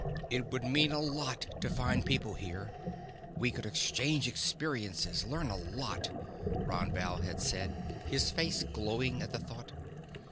"It would mean a lot to find people here. We could exchange experiences, learn a lot," Ron Val had said, his face glowing at the thought.